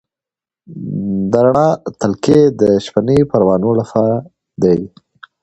د رڼا تلکې د شپنۍ پروانو لپاره دي؟